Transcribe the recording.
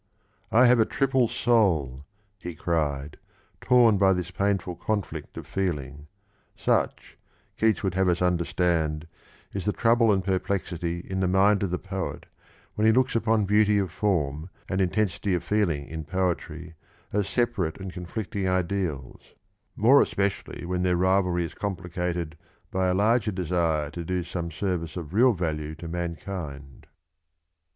'' I have a triple soul !" he cried, torn by this painful conflict of feeling. Such, Keats would have us understand, is the trouble and per plexity in the mind of the poet while he looks upon beauty of form and intensity of feeling in poetry as separate and conflicting ideals, more especially when their rivalry is complicated by a larger desire to do some service of real value to mankind.